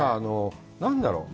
何だろう。